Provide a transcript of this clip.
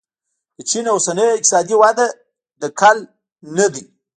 د چین اوسنۍ اقتصادي وده د کل نه دی.